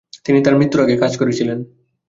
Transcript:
তিনি তার মৃত্যুর আগে কাজ করেছিলেন।